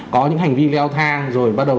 có những hành vi leo thang rồi bắt đầu